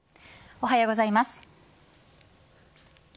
おはようございます。